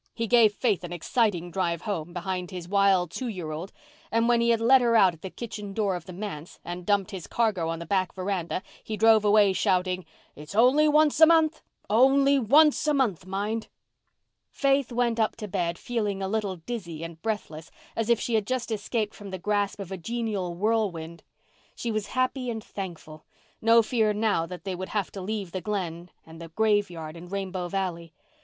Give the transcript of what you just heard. He gave Faith an exciting drive home, behind his wild two year old, and when he had let her out at the kitchen door of the manse and dumped his cargo on the back veranda he drove away shouting, "It's only once a month—only once a month, mind!" Faith went up to bed, feeling a little dizzy and breathless, as if she had just escaped from the grasp of a genial whirlwind. She was happy and thankful. No fear now that they would have to leave the Glen and the graveyard and Rainbow Valley.